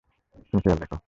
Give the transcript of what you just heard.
তুমিও খেয়াল রেখো।